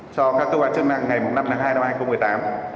cho các cơ quan chức năng ngày năm tháng hai năm hai nghìn một mươi tám